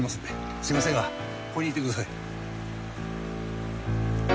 すいませんがここにいてください。